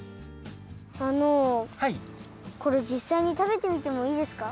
あのこれじっさいにたべてみてもいいですか？